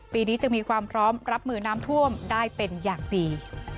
ปีนี้จึงมีความพร้อมรับมือน้ำท่วมได้เป็นอย่างดี